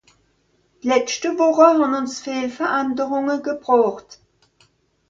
D’letschte Wùche hàn ùns viel Changement gebroocht.